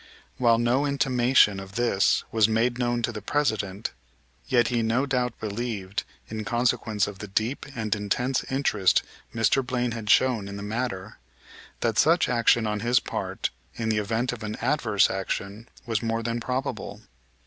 While no intimation of this was made known to the President, yet he no doubt believed, in consequence of the deep and intense interest Mr. Blaine had shown in the matter, that such action on his part, in the event of an adverse decision, was more than probable.